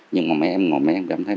nhưng mà mấy em ngồi mấy em cảm thấy